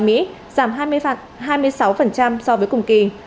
giảm hai mươi sáu so với cùng kỳ